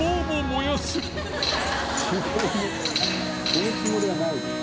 そのつもりはないよ。